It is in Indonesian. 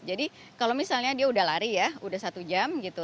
jadi kalau misalnya dia udah lari ya udah satu jam gitu